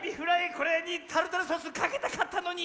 これにタルタルソースをかけたかったのに！